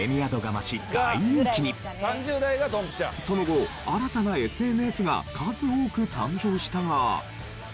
その後新たなＳＮＳが数多く誕生したが。